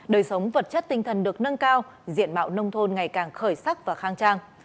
đời sống vật chất tinh thần được nâng cao diện mạo nông thôn ngày càng khởi sắc và khang trang